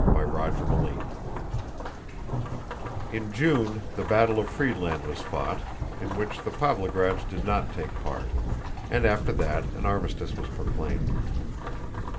CHAPTER XVII In June the battle of Friedland was fought, in which the Pávlograds did not take part, and after that an armistice was proclaimed.